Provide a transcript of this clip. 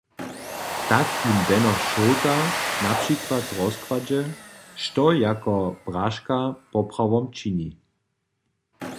Tak jim Beno Šołta na přikład rozkładźe, što jako braška poprawom čini.